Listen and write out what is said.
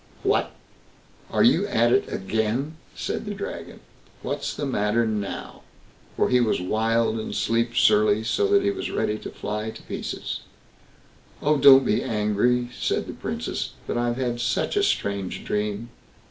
"What! Are you at it again?" said the Dragon. "What's the matter now?" for he was wild and sleep surly, so that he was ready to fly to pieces. "Oh, don't be angry", said the Princess; "but I've had such a strange dream."